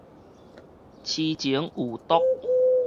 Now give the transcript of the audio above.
癡情有毒